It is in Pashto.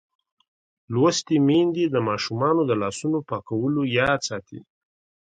لوستې میندې د ماشومانو د لاسونو پاکولو یاد ساتي.